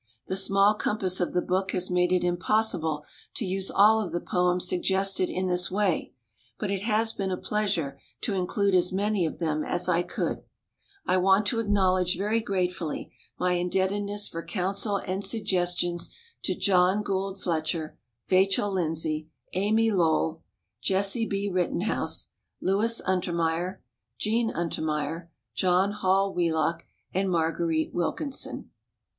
The small compass of the book has made it impossible to use all of the poems suggested in this way, but it has been a pleasure to include as many of them as I could. I want to RAINBOW GOLD acknowledge very gratefully my indebtedness for counsel and suggestions to John Gould Fletcher, Vachel Lindsay, Amy Lowell, Jessie B. Rittenhouse, Louis Untermeyer, Jean Untermeyer, John Hall Wheelcck and Marguerite Wilkin son.